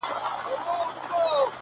له هر یوه سره د غلو ډلي غدۍ وې دلته،